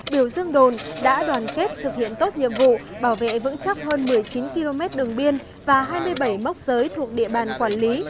biểu dương đồn đã đoàn kết thực hiện tốt nhiệm vụ bảo vệ vững chắc hơn một mươi chín km đường biên và hai mươi bảy mốc giới thuộc địa bàn quản lý